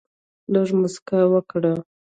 لږ مسکا وکړه.